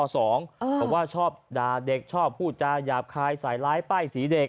เพราะว่าชอบด่าเด็กชอบพูดจาหยาบคายใส่ร้ายป้ายสีเด็ก